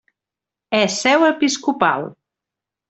És seu episcopal.